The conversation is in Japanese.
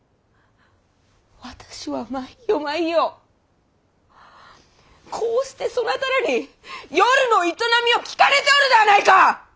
私は毎夜毎夜こうしてそなたらに夜の営みを聞かれておるではないか！